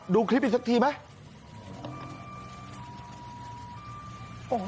ดูคลิปอีกสักทีไหม